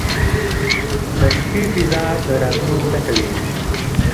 • د شپې فضاء د رازونو ډکه وي.